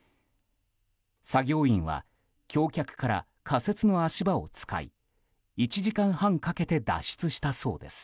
作業員は橋脚から仮設の足場を使い１時間半かけて脱出したそうです。